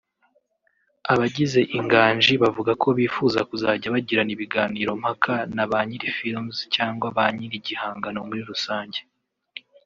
Abagize inganji bavuga ko bifuza kuzajya bagirana ibiganiro mpaka naba nyiri films cyangwa banyiri igihangano muri rusange